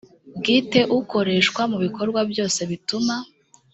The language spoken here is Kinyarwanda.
bwite ukoreshwa mu bikorwa byose bituma